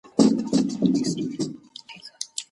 راپور د مدیر لخوا لوستل شوی دی.